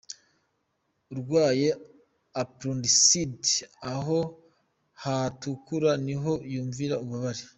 Urwaye Appndicite aha hatukura niho yumvira ububabare.